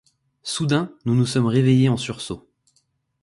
Soudain nous nous sommes réveillés en sursaut.